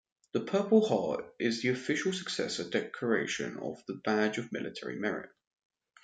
The Purple Heart is the official successor decoration of the Badge of Military Merit.